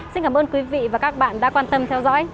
xin cảm ơn quý vị và các bạn đã quan tâm theo dõi